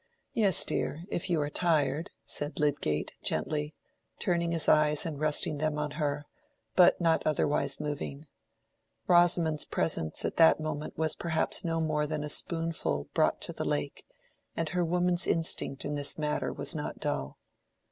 "Yes, dear, if you are tired," said Lydgate, gently, turning his eyes and resting them on her, but not otherwise moving. Rosamond's presence at that moment was perhaps no more than a spoonful brought to the lake, and her woman's instinct in this matter was not dull.